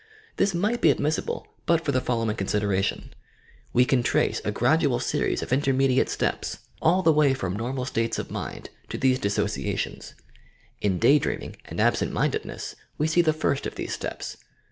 This might be admissible but for the following consideration: We can trace a gradual series of intermediate steps all the J 42 YOUR PSYCHIC POWERS way from normal states of mind to these dissociations. In day dreaming and absent mindedness we see the firat of these steps.